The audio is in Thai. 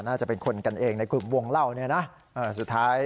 น่าจะเป็นคนกันเองในกลุ่มวงเล่าเนี่ยนะสุดท้าย